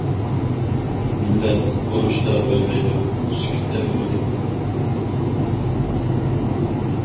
مىللەت ئۇرۇشتا ئۆلمەيدۇ، سۈكۈتتە ئۆلىدۇ.